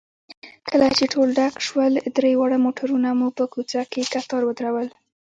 کله چې ټول ډک شول، درې واړه موټرونه مو په کوڅه کې کتار ودرول.